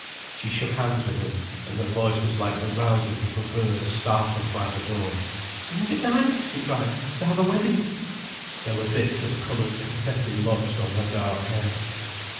She shook hands with him, and her voice was like the rousing of a bird startled by the dawn. "Isn't it nice," she cried, "to have a wedding?" There were bits of coloured confetti lodged on her dark hair.